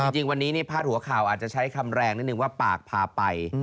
จริงวันนี้พาดหัวข่าวอาจจะใช้คำแรงนิดนึงว่าปากพาไป